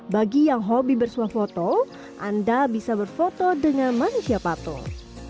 bagi yang hobi bersuah foto anda bisa berfoto dengan manusia patung